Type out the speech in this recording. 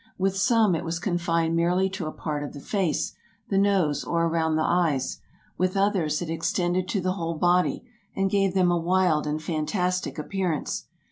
With some it was confined merely to a part of the face, the nose, or around the eyes ; with others it extended to the whole body, and gave them a wild and fantastic appearance.